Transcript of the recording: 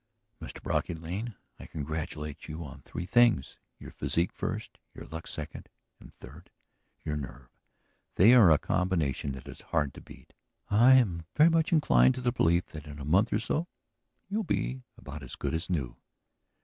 "Mr. Brocky Lane, I congratulate you on three things, your physique first, your luck second, and third, your nerve. They are a combination that is hard to beat. I am very much inclined to the belief that in a month or so you'll be about as good as new."